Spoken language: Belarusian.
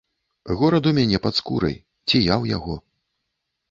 Горад у мяне пад скурай, ці я ў яго?